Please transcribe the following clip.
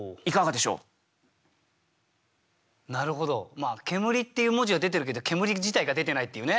まあ「煙」っていう文字は出てるけど煙自体が出てないっていうね。